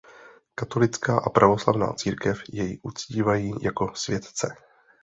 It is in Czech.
Katolická a pravoslavná církev jej uctívají jako světce.